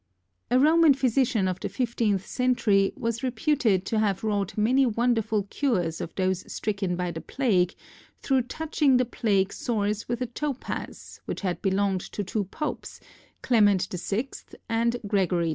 A Roman physician of the fifteenth century was reputed to have wrought many wonderful cures of those stricken by the plague, through touching the plague sores with a topaz which had belonged to two popes, Clement VI and Gregory II.